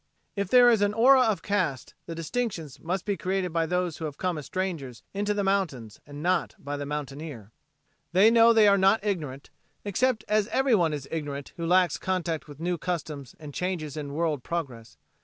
If there is an aura of caste, the distinctions must be created by those who have come as strangers into the mountains and not by the mountaineer. They know they are not ignorant, except as everyone is ignorant who lacks contact with new customs and changes in world progress.